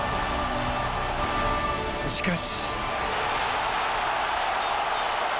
しかし。